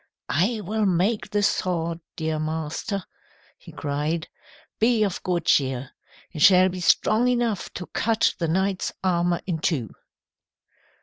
"I will make the sword, dear master," he cried. "Be of good cheer. It shall be strong enough to cut the knight's armour in two."